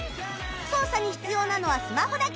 操作に必要なのはスマホだけ